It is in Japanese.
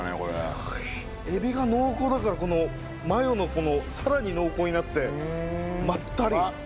すごい。エビが濃厚だからこのマヨもさらに濃厚になってまったり。